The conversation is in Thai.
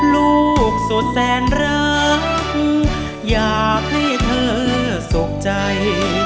ลูกสุดแสนรักอยากให้เธอสุขใจ